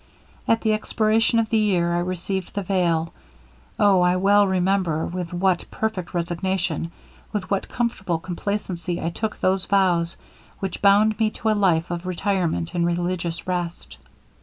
'At the expiration of the year I received the veil. Oh! I well remember with what perfect resignation, with what comfortable complacency I took those vows which bound me to a life of retirement, and religious rest.